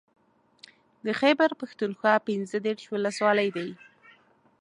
د خېبر پښتونخوا پنځه دېرش ولسوالۍ دي